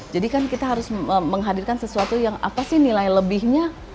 jadi kan kita harus menghadirkan sesuatu yang apa sih nilai lebihnya